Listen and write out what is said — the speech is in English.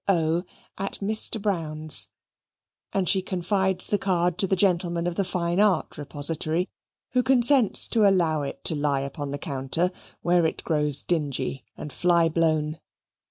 O., at Mr. Brown's"; and she confides the card to the gentleman of the Fine Art Repository, who consents to allow it to lie upon the counter, where it grows dingy and fly blown.